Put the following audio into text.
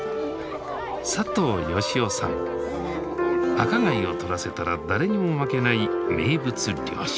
赤貝を取らせたら誰にも負けない名物漁師。